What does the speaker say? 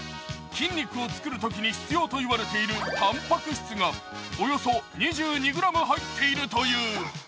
筋肉をつくるときに必要といわれているたんぱく質がおよそ２２ｇ入っているという。